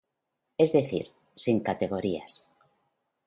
Es decir: sin categorías.